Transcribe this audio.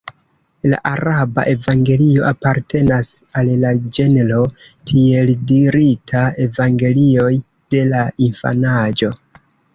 La araba Evangelio apartenas al la ĝenro tieldirita Evangelioj de la infanaĝo.